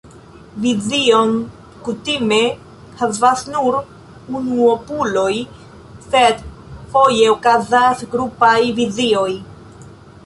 Vizion kutime havas nur unuopuloj, sed foje okazas grupaj vizioj.